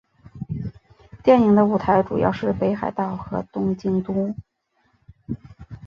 电影的舞台主要是北海道和东京都。